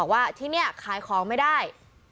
ขายของไม่ได้